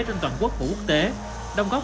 trên toàn quốc của quốc tế đồng góp